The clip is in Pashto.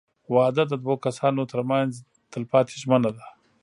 • واده د دوه کسانو تر منځ تلپاتې ژمنه ده.